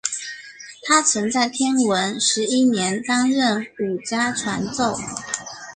他曾在天文十一年担任武家传奏。